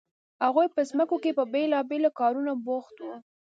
هغوی په ځمکو کې په بیلابیلو کارونو بوخت وو.